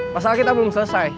masalah kita belum selesai